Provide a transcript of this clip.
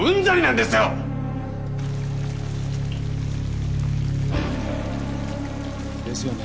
ですよね